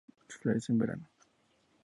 Florecen en verano.